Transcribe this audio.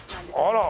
あら！